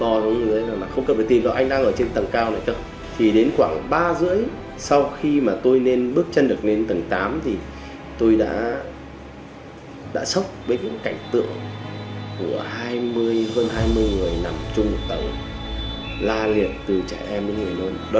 họ những người làm công việc sơ cướp cứu tai nạn giao thông miễn phí trên các tuyến đường của thủ đô